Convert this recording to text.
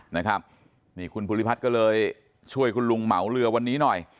นะครับนี่คุณภูริพัฒน์ก็เลยช่วยคุณลุงเหมาเรือวันนี้หน่อย